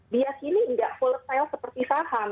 biasa ini tidak volatile seperti saham